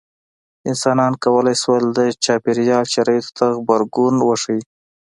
انسانانو کولی شول د چاپېریال شرایطو ته غبرګون وښيي.